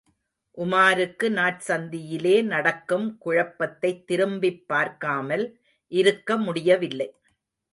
உமாருக்கு, நாற்சந்தியிலே நடக்கும் குழப்பத்தைத் திரும்பிப் பார்க்காமல் இருக்க முடியவில்லை.